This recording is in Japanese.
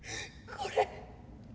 これ。